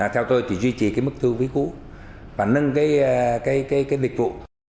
theo tôi thì duy trì cái mức thư vĩ cũ và nâng cái dịch vụ